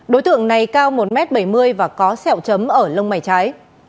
đối tượng này cao một m bảy mươi và có sẹo chấm ở lông mảy trái